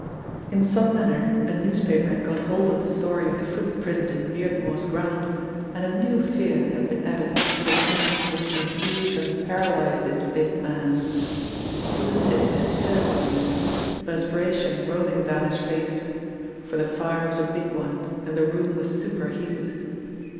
In some manner a newspaper had got hold of the story of the footprint in Beardmore's ground, and a new fear had been added to the many which confused and paralysed this big man. He was sitting in his shirt sleeves, the perspiration rolling down his face, for the fire was a big one and the room was super heated.